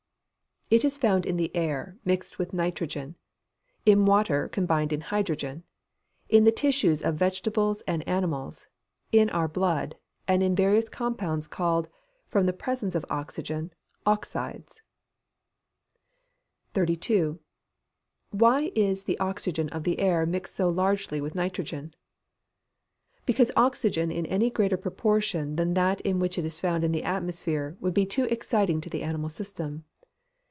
_ It is found in the air, mixed with nitrogen; in water combined with hydrogen; in the tissues of vegetables and animals; in our blood; and in various compounds called, from the presence of oxygen, oxides. 32. Why is the oxygen of the air mixed so largely with nitrogen? Because oxygen in any greater proportion than that in which it is found in the atmosphere, would be too exciting to the animal system.